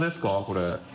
これ。